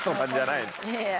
いやいや。